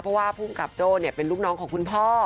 เพราะว่าภูมิกับโจ้เป็นลูกน้องของคุณพ่อ